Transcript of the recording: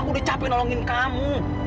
udah capek nolongin kamu